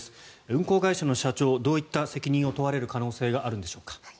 運航会社の社長どういった責任を問われる可能性があるのでしょうか。